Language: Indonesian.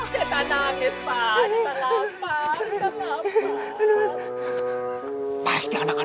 cetanah ke spas cetanah pas cetanah pas